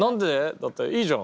だっていいじゃん。